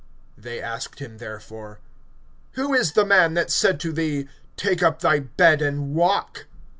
(12)They asked him therefore: Who is the man that said to thee: Take up thy bed and walk?